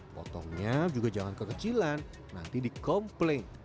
potongnya juga jangan kekecilan nanti dikomplain